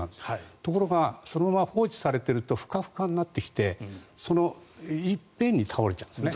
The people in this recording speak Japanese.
ところがそのまま放置されてるとフカフカになってきて一遍に倒れちゃうんですね。